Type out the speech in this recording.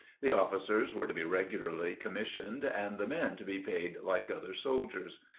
The officers were to be regularly commissioned and the men to be paid like other soldiers.